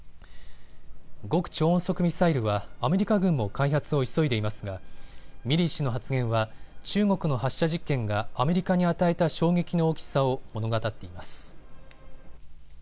極超音速ミサイルはアメリカ軍も開発を急いでいますがミリー氏の発言は中国の発射実験がアメリカに与えた衝撃の大きさを物語っています。